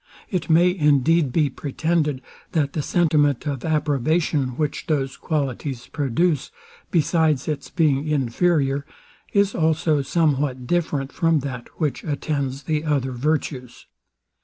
It may, indeed, be pretended that the sentiment of approbation, which those qualities produce, besides its being inferior, is also somewhat different from that, which attends the other virtues.